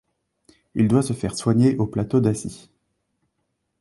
Il doit se faire soigner au plateau d'Assy.